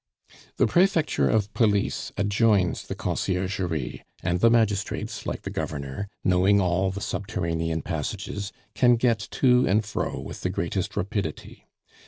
The Prefecture of police adjoins the Conciergerie, and the magistrates, like the Governor, knowing all the subterranean passages, can get to and fro with the greatest rapidity.